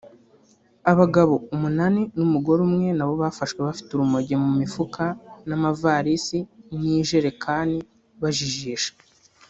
Abagabo umunani n’umugore umwe nabo bafashwe bafite urumogi mu mifuka n’amavalise n’injerekani bajijisha